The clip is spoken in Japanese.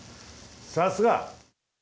さすが！